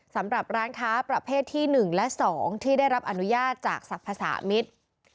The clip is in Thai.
สำหรับร้านค้าประเภทที่๑และ๒ที่ได้รับอนุญาตจากสรรพสามิตร